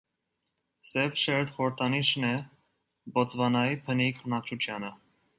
Սև շերտ խորհրդանիշն է Բոտսվանայի բնիկ բնակչությանը։